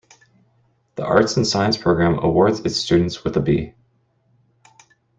The Arts and Science Program awards its students with a B.